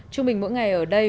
trung bình mỗi ngày ở đây